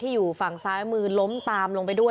อยู่ฝั่งซ้ายมือล้มตามลงไปด้วย